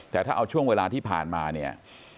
แต่ถ้าเอาช่วงเวลาที่ผ่านมาเนี่ย